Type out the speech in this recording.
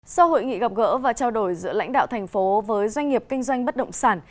sau hội nghị gặp gỡ và trao đổi giữa lãnh đạo thành phố với doanh nghiệp kinh doanh bất động sản